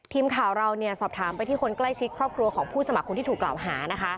ทีมข่าวเราสอบถามไปที่คนใกล้ชิดครอบครัวของผู้สมัครคนที่ถูกกล่าวหานะคะ